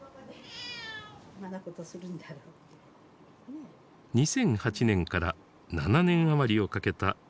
２００８年から７年余りをかけた中国語への翻訳。